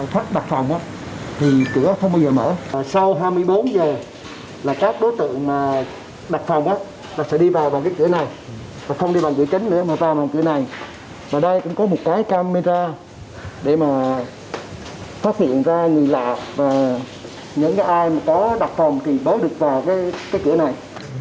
và những ai có đặt phòng thì bớt được vào cái cửa này